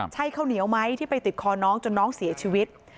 ใช่ข้าวเหนียวไหมที่ไปติดคอน้องจนน้องเสียชีวิต